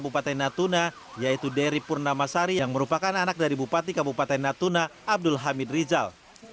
bupati natuna yaitu dery purnamasari yang merupakan anak dari bupati kabupaten natuna abdul hamid rizal